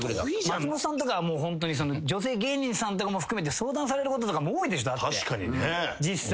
松本さんとかは女性芸人さんとかも含めて相談されることとかも多いでしょだって実際。